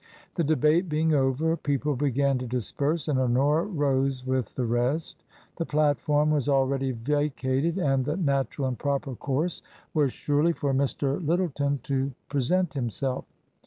The debate being over, people began to disperse, and Honora rose with the rest; the platform was already vacated, and the natural and proper course was surely for Mr. Lyttleton to present himself.